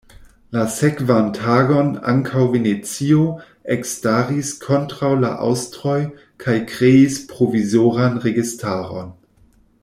La sekvan tagon ankaŭ Venecio ekstaris kontraŭ la aŭstroj kaj kreis provizoran registaron.